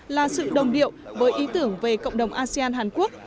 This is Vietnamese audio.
là sự đồng điệu với ý tưởng về cộng đồng asean hàn quốc